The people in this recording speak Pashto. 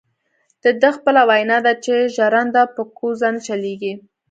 دده خپله وینا ده چې ژرنده په کوزو نه چلیږي.